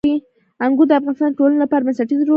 انګور د افغانستان د ټولنې لپاره بنسټيز رول لري.